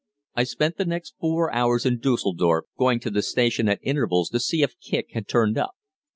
I spent the next four hours in Düsseldorf, going to the station at intervals to see if Kicq had turned up.